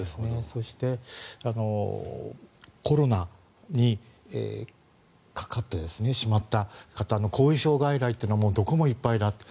そしてコロナにかかってしまった方の後遺症外来というのもどこもいっぱいだと。